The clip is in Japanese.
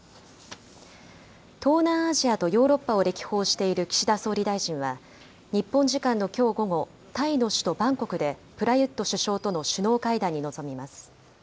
東南アジアとヨーロッパを歴訪している岸田総理大臣は、日本時間のきょう午後、タイの首都バンコクでプラユット首相との首脳会談に臨みます。